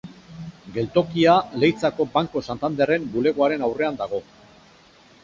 Geltokia Leitzako Banco Santanderren bulegoaren aurrean dago.